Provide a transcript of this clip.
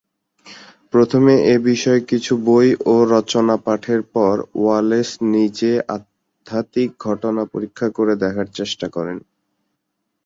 প্রথমে এ বিষয়ক কিছু বই ও রচনা পাঠের পর ওয়ালেস নিজে আধ্যাত্মিক ঘটনা পরীক্ষা করে দেখার চেষ্টা করেন।